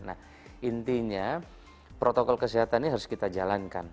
nah intinya protokol kesehatan ini harus kita jalankan